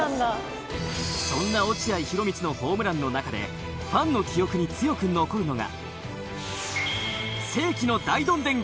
そんな落合博満のホームランの中でファンの記憶に強く残るのが。